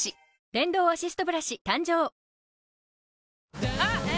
電動アシストブラシ誕生あっ！！！え？？